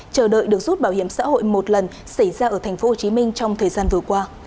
chờ đợi được rút bảo hiểm xã hội một lần xảy ra ở tp hcm trong thời gian vừa qua